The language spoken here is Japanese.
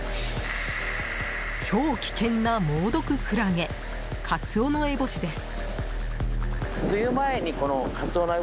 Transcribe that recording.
超危険な猛毒クラゲカツオノエボシです。